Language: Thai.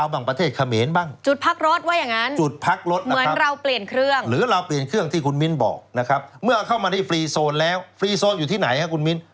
บอกนะครับเมื่อเข้ามาที่ฟรีโซนแล้วฟรีโซนอยู่ที่ไหนฮะคุณมิน